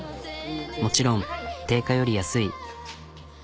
もちろん定価より安い。